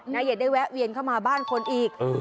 น่าอยากได้แวะเวียนเข้ามาบ้านคนอีกเออ